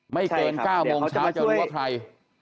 ไม่เกิน๙โมงเช้าจะรู้ว่าใคร